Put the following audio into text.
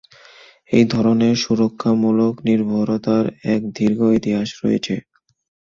এই ধরনের সুরক্ষামূলক নির্ভরতার এক দীর্ঘ ইতিহাস রয়েছে।